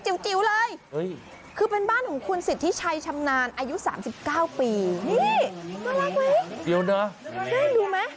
รู้จิ๋วเลยคือเป็นบ้านของคุณสิทธิชัยชำนานอายุ๓๙ปีนี่น่ารักไหมดูนะ